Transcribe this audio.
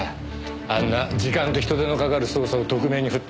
あんな時間と人手のかかる捜査を特命に振って。